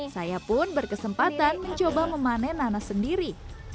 saya pun berkesempatan mencoba memanen nanas sendiri